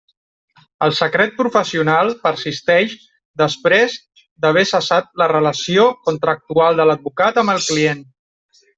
El secret professional persisteix després d'haver cessat la relació contractual de l'advocat amb el client.